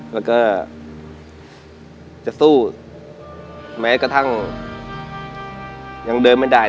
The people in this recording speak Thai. แล้วก็จะสู้แม้กระทั่งยังเดินไม่ได้